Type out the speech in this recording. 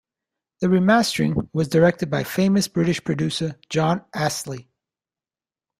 The remastering was directed by famous British producer Jon Astley.